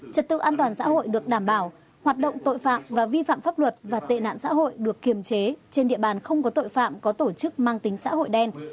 trật tự an toàn xã hội được đảm bảo hoạt động tội phạm và vi phạm pháp luật và tệ nạn xã hội được kiềm chế trên địa bàn không có tội phạm có tổ chức mang tính xã hội đen